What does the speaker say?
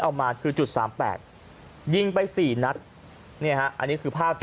เอามาคือจุดสามแปดยิงไปสี่นัดเนี่ยฮะอันนี้คือภาพที่